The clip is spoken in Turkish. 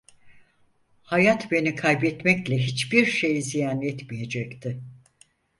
Hayat beni kaybetmekle hiçbir şey ziyan etmeyecekti.